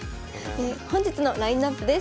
本日のラインナップです。